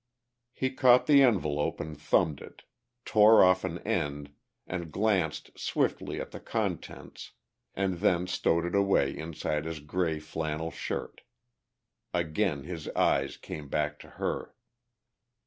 He caught the envelope and thumbed it, tore off an end and glanced swiftly at the contents and then stowed it away inside his grey flannel shirt. Again his eyes came back to her.